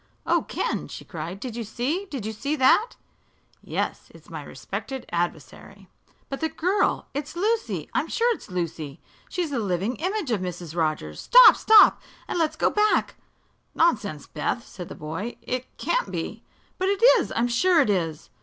"Oh, Ken!" she cried, "did you see? Did you see that?" "Yes; it's my respected adversary." "But the girl! It's Lucy I'm sure it's Lucy! She's the living image of Mrs. Rogers! Stop stop and let's go back!" "Nonsense, Beth," said the boy. "It can't be." "But it is. I'm sure it is!"